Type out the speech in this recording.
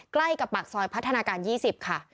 ใกล้กับปากซอยพัฒนาการ๒๐ค่ะ